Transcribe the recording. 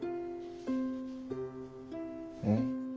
うん。